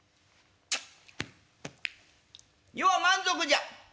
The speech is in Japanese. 「余は満足じゃ。